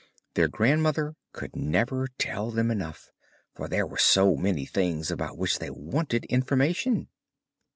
Their grandmother could never tell them enough, for there were so many things about which they wanted information.